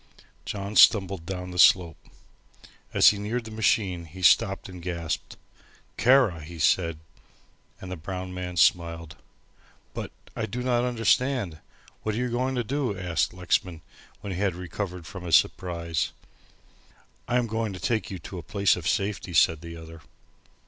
John stumbled down the slope. As he neared the machine he stopped and gasped. "Kara," he said, and the brown man smiled. "But, I do not understand. What are you going to do!" asked Lexman, when he had recovered from his surprise. "I am going to take you to a place of safety," said the other.